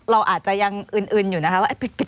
เราอาจจะยังอึนอยู่นะคะว่า